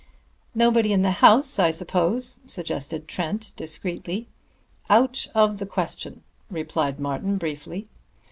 "Nobody in the house, I suppose " suggested Trent discreetly. "Out of the question," replied Martin briefly.